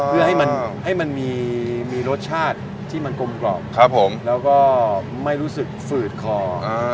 เพื่อให้มันให้มันมีรสชาติที่มันกลมกรอบแล้วก็ไม่รู้สึกฝืดคอ